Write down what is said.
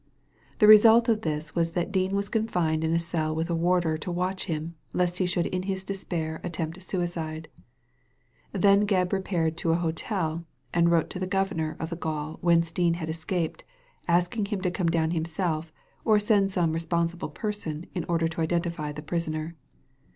The result of this was that Dean was confined in a cell with a warder to watch him lest he should in his despair attempt suicide. Then Gebb repaired to an hotel and wrote to the governor of the gaol whence Dean had escaped, asking him to come down himself or send some responsible person in order to identify the prisoner.